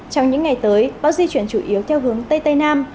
trong những ngày tới bão di chuyển chủ yếu theo hướng tây tây nam